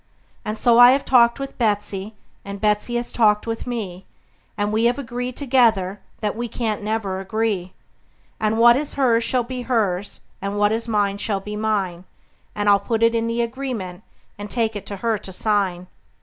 And so I have talked with Betsey, and Betsey has talked with me, And we have agreed together that we can't never agree; And what is hers shall be hers, and what is mine shall be mine; And I'll put it in the agreement, and take it to her to sign.